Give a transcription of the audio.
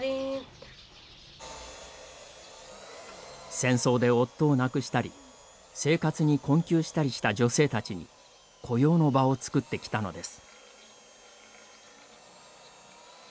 戦争で夫を亡くしたり生活に困窮したりした女性たちに雇用の場を作ってきたのです。